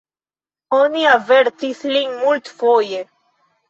Oni avertis lin multfoje!